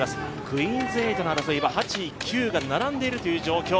クイーンズ８の争いは８、９が並んでいるという状況。